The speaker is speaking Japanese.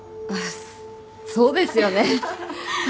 そうですよね。